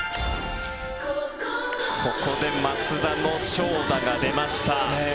ここで松田の長打が出ました。